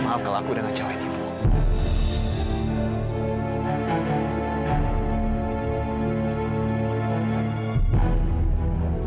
maaf kalau aku udah ngecewain ibu